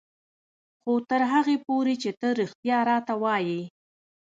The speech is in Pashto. خو تر هغې پورې چې ته رښتيا راته وايې.